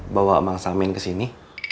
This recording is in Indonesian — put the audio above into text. bawa emang samin kesini